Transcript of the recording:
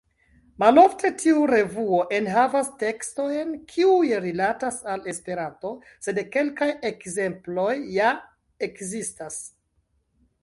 Malofte tiu revuo enhavas tekstojn kiuj rilatas al Esperanto, sed kelkaj ekzemploj ja ekzistas.